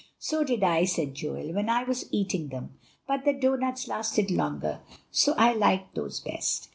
"So did I," said Joel, "when I was eating them; but the doughnuts lasted longer, so I liked those best."